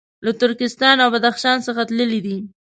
له ترکستان او بدخشان څخه تللي دي.